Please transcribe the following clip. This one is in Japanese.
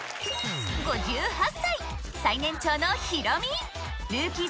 ５８歳最年長のヒロミルーキー